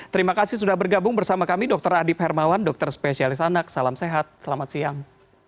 terima kasih sudah bergabung bersama kami dr adib hermawan dokter spesialis anak salam sehat selamat siang